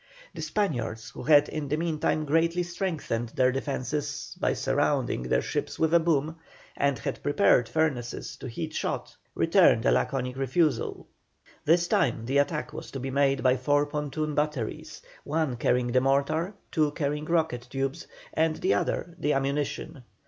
The Spaniards, who had in the meantime greatly strengthened their defences, by surrounding their ships with a boom, and had prepared furnaces to heat shot, returned a laconic refusal. This time the attack was to be made by four pontoon batteries, one carrying the mortar, two carrying rocket tubes, and the other the ammunition.